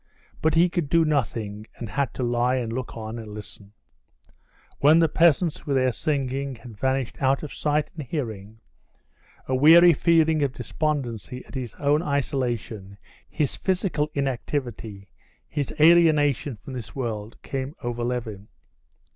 But he could do nothing, and had to lie and look on and listen. When the peasants, with their singing, had vanished out of sight and hearing, a weary feeling of despondency at his own isolation, his physical inactivity, his alienation from this world, came over Levin.